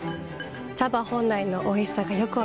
茶葉本来のおいしさがよく分かります。